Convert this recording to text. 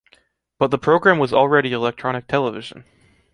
But the program was already electronic television.